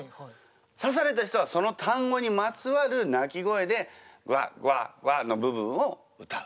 さされた人はその単語にまつわる鳴き声で「グワッグワッグワッ」の部分を歌う。